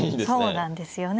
そうなんですよね。